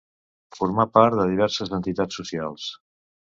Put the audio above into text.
Formà part de diverses entitats socials.